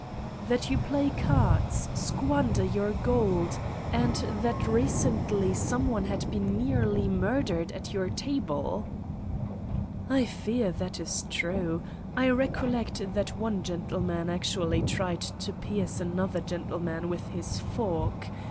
"... that you play cards, squander your gold, and that recently some one had been nearly murdered at your table 1 '' "I fear that is true. I recollect that one gentle man actually tried to pierce another gentleman with his fork.